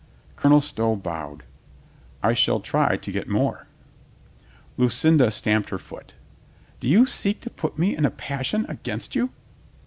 Colonel Stow bowed. "I shall try to get more." Lucinda stamped her foot. "Do you seek to put me in a passion against you?"